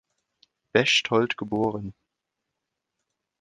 Bechtold geboren.